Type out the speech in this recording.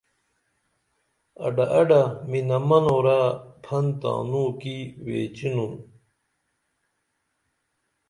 اڈہ اڈہ منہ منورہ پھن تانوں کی ویچینُن